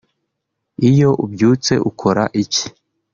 iyo ubyutse ukora iki